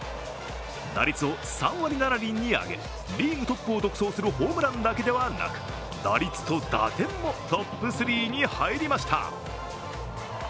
打率を３割７厘に上げリーグトップを独走するホームランだけではなく打率と打点もトップ３に入りました。